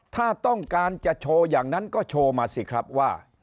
ถ้าต้องการจะโชว์อย่างนั้นก็โชว์มาสิครับว่า